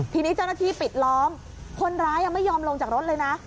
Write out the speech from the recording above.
ทีนี้เจ้าหน้าที่ปิดล้อมคนร้ายไม่ยอมลงจากรถเลยนะ